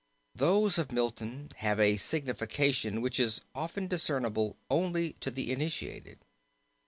Those of Milton have a signification which is often discernible only to the initiated.